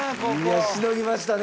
いやしのぎましたね。